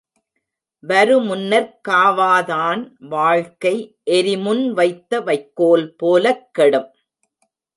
வருமுன்னர்க் காவாதான் வாழ்க்கை எரிமுன் வைத்த வைக்கோல் போலக் கெடும்.